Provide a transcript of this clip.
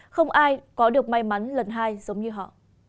không ai có được may mắn lần hai giống như họ